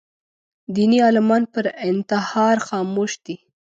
دیني عالمان پر انتحار خاموش دي